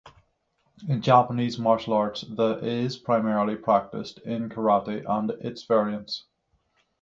In Japanese martial arts, the is primarily practiced in karate and its variants.